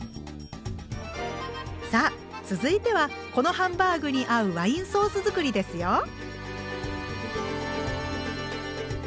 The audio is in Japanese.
さあ続いてはこのハンバーグに合うワインソース作りですよ。